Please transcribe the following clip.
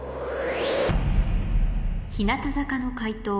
日向坂の解答